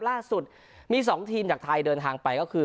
ล่าสุดมี๒ทีมจากไทยเดินทางไปก็คือ